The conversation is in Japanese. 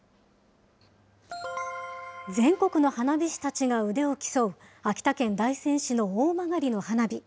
全国の花火師たちが腕を競う、秋田県大仙市の大曲の花火。